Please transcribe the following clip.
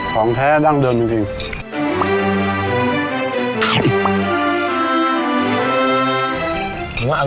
ของแท้ดั้งเดิมจริง